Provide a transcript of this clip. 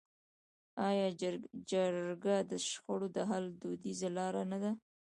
آیا جرګه د شخړو د حل دودیزه لاره نه ده؟